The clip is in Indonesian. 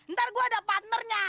ntar gua ada partnernya